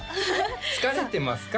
疲れてますか？